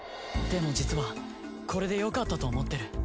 でも実はこれでよかったと思ってる。